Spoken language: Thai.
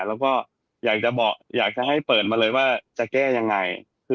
และอยากจะให้เปิดมาเลยว่าจะแก้ยังไง